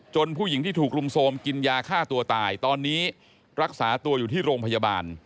ผู้หญิงที่ถูกรุมโทรมกินยาฆ่าตัวตายตอนนี้รักษาตัวอยู่ที่โรงพยาบาล